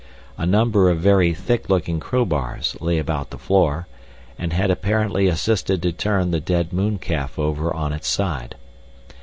A number of very thick looking crowbars lay about the floor, and had apparently assisted to turn the dead mooncalf over on its side.